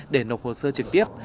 để nộp hồ sơ trực tiếp